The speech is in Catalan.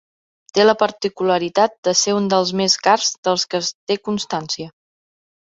Té la particularitat de ser un dels més cars dels que es té constància.